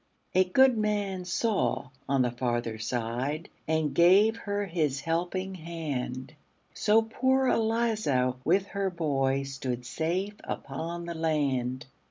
A good man saw on the farther side, And gave her his helping hand; So poor Eliza, with her boy, Stood safe upon the land.